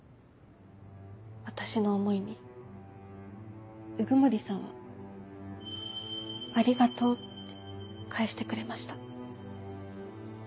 私の思いに鵜久森さんは「ありがとう」って返してくれました。